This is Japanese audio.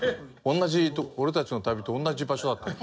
同じ『俺たちの旅』と同じ場所だったの。